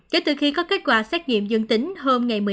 kể từ khi có kết quả xét nghiệm dương tính